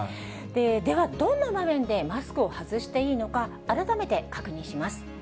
では、どんな場面でマスクを外していいのか、改めて確認します。